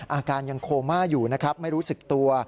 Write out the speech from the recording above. อาการยังโคม่าอยู่นะครับไม่รู้สึกตัว